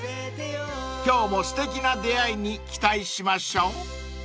［今日もすてきな出会いに期待しましょう］